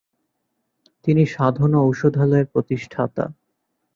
তিনি সাধনা ঔষধালয়ের প্রতিষ্ঠাতা।